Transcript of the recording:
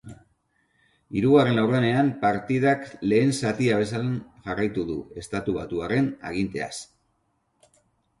Hirugarren laurdenean, partidak lehen zatian bezala jarraitu du, estatubatuarren aginteaz.